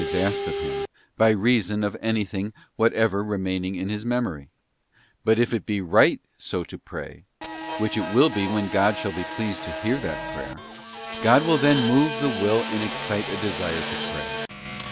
is asked of him, by reason of anything whatever remaining in his memory; but 'if it be right so to pray — which it will be when God shall be pleased to hear that prayer — God will then move the will and excite a desire to pray.